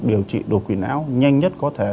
điều trị đột quỵ não nhanh nhất có thể